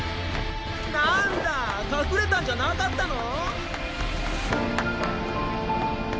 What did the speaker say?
なんだ隠れたんじゃなかったの？